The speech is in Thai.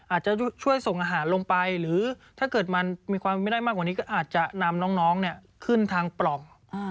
อาจจะช่วยส่งอาหารลงไปหรือถ้าเกิดมันมีความไม่ได้มากกว่านี้ก็อาจจะนำน้องขึ้นทางปล่อง